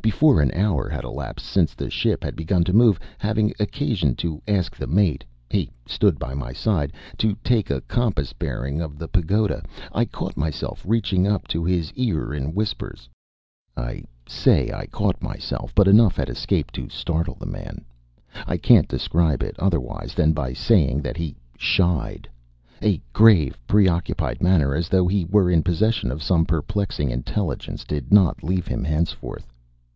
Before an hour had elapsed since the ship had begun to move, having occasion to ask the mate (he stood by my side) to take a compass bearing of the pagoda, I caught myself reaching up to his ear in whispers. I say I caught myself, but enough had escaped to startle the man. I can't describe it otherwise than by saying that he shied. A grave, preoccupied manner, as though he were in possession of some perplexing intelligence, did not leave him henceforth.